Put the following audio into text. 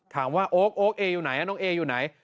ถามว่าโอ๊คโอ๊คเอย์อยู่ไหนน้องเอย์อยู่ไหน